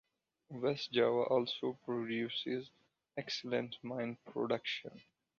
West Java also produces excellent mine production.